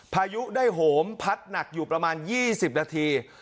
พายุได้โหมพัดหนักอยู่ประมาณ๒๐นาที